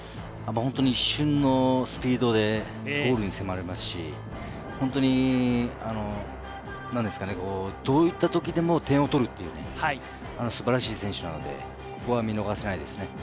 本当に一瞬のスピードでゴールに迫りますし、本当にどういったときでも点を取るという素晴らしい選手なので、見逃せないですね。